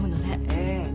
ええ。